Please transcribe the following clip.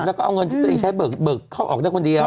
แล้วก็เอาเงินที่ตัวเองใช้เบิกเข้าออกได้คนเดียว